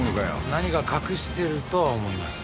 何か隠してるとは思います。